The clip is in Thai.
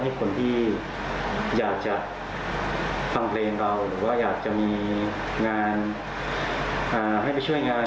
ให้คนที่อยากจะฟังเพลงน้าอยากจะมีงานให้ไปช่วยงาน